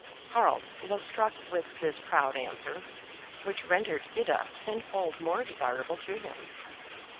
Harald was struck with this proud answer, which rendered Gyda tenfold more desirable to him.